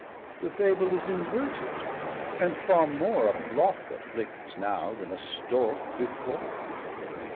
The fable is inverted, and farre more A blocke afflicts, now, then a storke before.